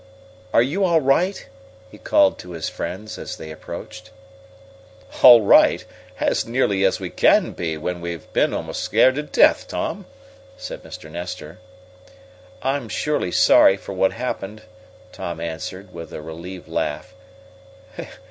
"Are you all right?" he called to his friends, as they approached. "All right, as nearly as we can be when we've been almost scared to death, Tom," said Mr. Nestor. "I'm surely sorry for what happened," Tom answered, with a relieved laugh.